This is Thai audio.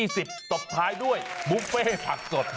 ตบท้ายด้วยบุฟเฟ่ผักสด